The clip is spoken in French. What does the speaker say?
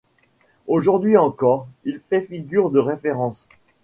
Aujourd'hui encore, il fait figure de référence.